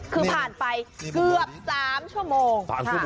คือผ่านไปเกือบ๓ชั่วโมง